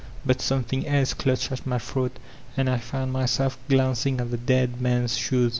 But something else clutched at my throat, and I found mjrself glancing at the dead man*s shoes.